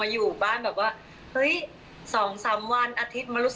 อยู่บ้าน๒๓วันอาทิตย์